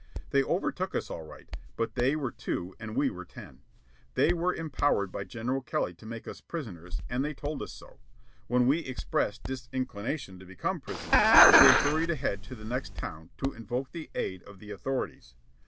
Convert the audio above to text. They overtook us all right, but they were two and we were ten. They were empowered by General Kelly to make us prisoners, and they told us so. When we expressed disinclination to become prisoners, they hurried ahead to the next town to invoke the aid of the authorities.